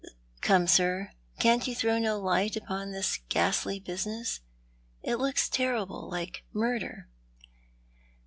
Come, sir, can't you throw no light upon this ghastly business? It looks terrible like murder."